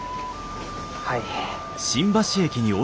はい。